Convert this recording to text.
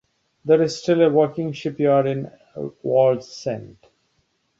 There is still a working shipyard in Wallsend.